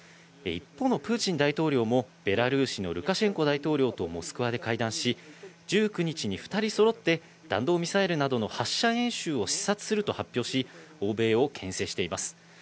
一方のプーチン大統領もベラルーシのルカシェンコ大統領とモスクワで会談し、１９日に２人そろって弾道ミサイルなどの発射演習を視察すると発表し、欧米をけん制しています。